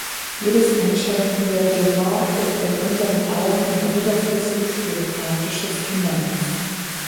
Jedes einschränkende Reglement ist in unseren Augen ein überflüssiges bürokratisches Hindernis.